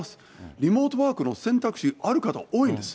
リモートワークの選択肢ある方、多いんです。